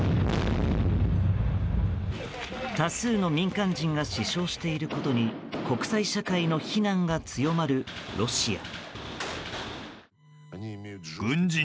多数の民間人が死傷していることに国際社会の非難が強まるロシア。